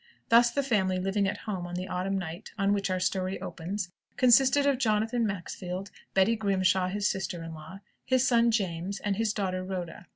Thus the family living at home on the autumn night on which our story opens, consisted of Jonathan Maxfield, Betty Grimshaw his sister in law, his son James, and his daughter Rhoda.